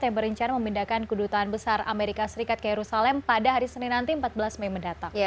yang berencana memindahkan kedutaan besar amerika serikat ke yerusalem pada hari senin nanti empat belas mei mendatang